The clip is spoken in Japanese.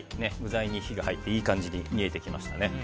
具材に火が入っていい感じに煮えてきました。